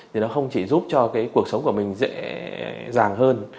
thì nó không chỉ giúp cho cuộc sống của mình dễ